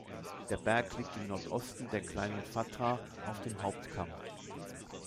Der Berg liegt im Nordosten der Kleinen Fatra auf dem Hauptkamm.